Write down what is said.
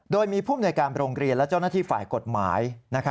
โดยมีผู้มนวยการโรงเรียนและเจ้าหน้าที่ฝ่ายกฎหมาย